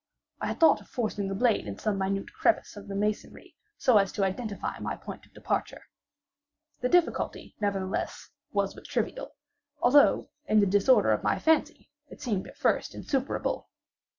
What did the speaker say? I had thought of forcing the blade in some minute crevice of the masonry, so as to identify my point of departure. The difficulty, nevertheless, was but trivial; although, in the disorder of my fancy, it seemed at first insuperable.